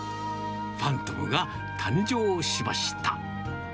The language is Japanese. ファントムが誕生しました。